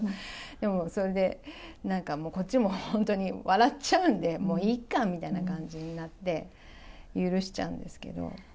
でもそれでなんかもうこっちも本当に笑っちゃうんで、もう、いいかみたいな感じになって、許しちゃうんですけど。